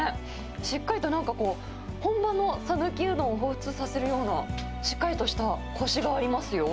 しっかりとなんかこう、本場の讃岐うどんをほうふつさせるような、しっかりとしたこしがありますよ。